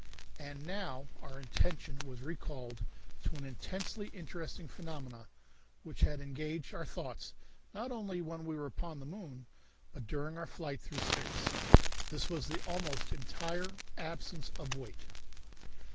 And now our attention was recalled to an intensely interesting phenomenon which had engaged our thoughts not only when we were upon the moon, but during our flight through space. This was the almost entire absence of weight.